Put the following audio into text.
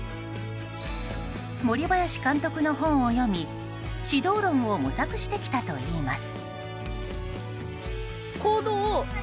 森林監督の本を読み、指導論を模索してきたといいます。